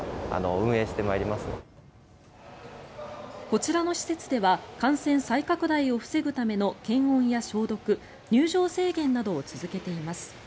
こちらの施設では感染再拡大を防ぐための検温や消毒、入場制限などを続けています。